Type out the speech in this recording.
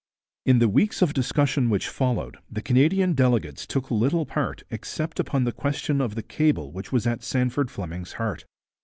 In the weeks of discussion which followed the Canadian delegates took little part except upon the question of the cable which was at Sandford Fleming's heart.